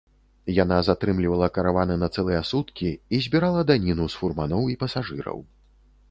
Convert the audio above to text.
Яна затрымлівала караваны на цэлыя суткі і збірала даніну з фурманоў і пасажыраў.